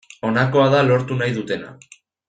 Honakoa da lortu nahi dutena.